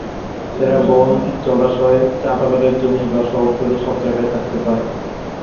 এরা বন, জলাশয়, চা বাগানের জমি বা শহরতলি সব জায়গায় থাকতে পারে।